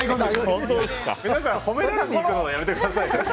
皆さん、褒められにいくのやめてください。